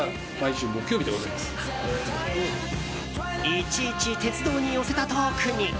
いちいち鉄道に寄せたトークに。